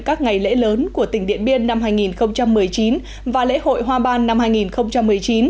các ngày lễ lớn của tỉnh điện biên năm hai nghìn một mươi chín và lễ hội hoa ban năm hai nghìn một mươi chín